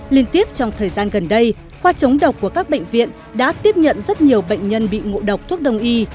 liên tiếp trong thời gian gần đây khoa chống độc của các bệnh viện đã tiếp nhận rất nhiều bệnh nhân bị ngộ độc thuốc đồng y